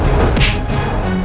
dan di atas jejaknya